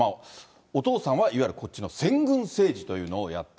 お父さんはいわゆるこっちの先軍政治というのをやった。